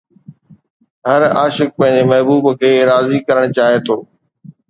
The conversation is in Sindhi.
هر عاشق پنهنجي محبوب کي راضي ڪرڻ چاهي ٿو.